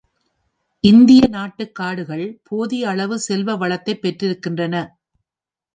இந்திய நாட்டுக் காடுகள் போதிய அளவு செல்வ வளத்தைப் பெற்றிருக்கின்றன.